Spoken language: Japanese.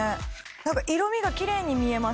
なんか色味がきれいに見えます。